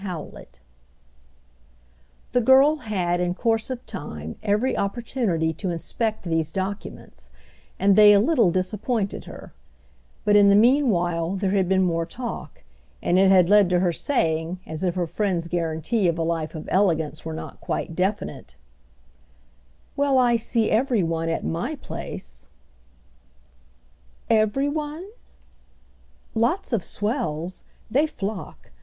CHAPTER VIII. The girl had in course of time every opportunity to inspect these documents, and they a little disappointed her; but in the mean while there had been more talk, and it had led to her saying, as if her friend's guarantee of a life of elegance were not quite definite: "Well, I see every one at my place." "Every one?" "Lots of swells. They flock.